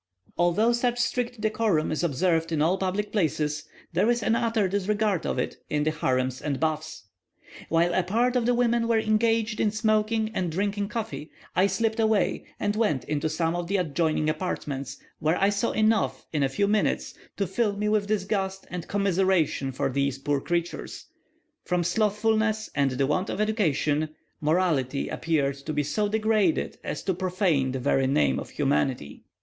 Although such strict decorum is observed in all public places, there is an utter disregard of it in the harems and baths. While a part of the women were engaged in smoking and drinking coffee, I slipped away, and went into some of the adjoining apartments, where I saw enough, in a few minutes, to fill me with disgust and commiseration for these poor creatures; from slothfulness and the want of education, morality appeared to be so degraded as to profane the very name of humanity.